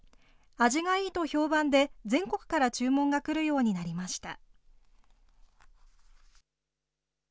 味がいいと評判で、全国から注文が来るようになりました。